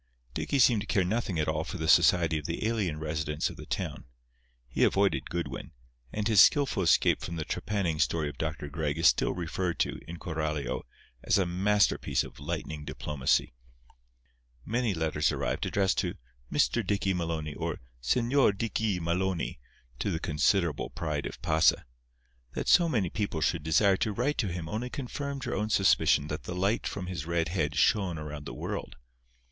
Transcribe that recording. Dicky seemed to care nothing at all for the society of the alien residents of the town. He avoided Goodwin, and his skilful escape from the trepanning story of Dr. Gregg is still referred to, in Coralio, as a masterpiece of lightning diplomacy. Many letters arrived, addressed to "Mr. Dicky Maloney," or "Señor Dickee Maloney," to the considerable pride of Pasa. That so many people should desire to write to him only confirmed her own suspicion that the light from his red head shone around the world.